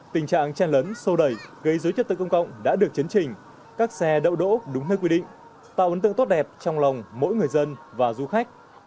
tình trạng chen lấn sô đẩy gây dối chất tự công cộng đã được chấn trình các xe đậu đỗ đúng nơi quy định tạo ấn tượng tốt đẹp trong lòng mỗi người dân và du khách